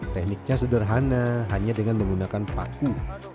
tekniknya sederhana hanya dengan menggunakan paku